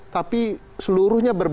tapi seluruhnya berpikir